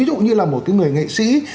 ví dụ như là một người nghệ sĩ